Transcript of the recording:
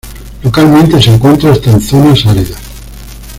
Localmente se encuentra hasta en zonas áridas.